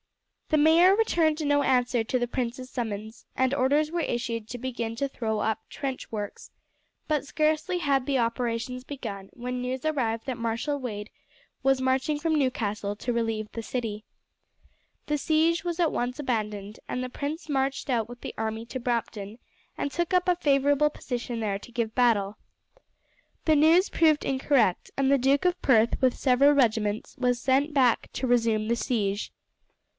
The mayor returned no answer to the prince's summons and orders were issued to begin to throw up trench works, but scarcely had the operations begun when news arrived that Marshal Wade was marching from Newcastle to relieve the city. The siege was at once abandoned, and the prince marched out with the army to Brampton and took up a favourable position there to give battle. The news proved incorrect, and the Duke of Perth with several regiments were sent back to resume the siege.